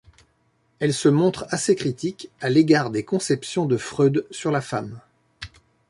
Elle se montre assez critique à l'égard des conceptions de Freud sur la femme.